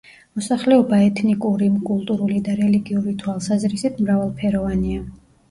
მოსახლეობა ეთნიკური, კულტურული და რელიგიური თვალსაზრისით მრავალფეროვანია.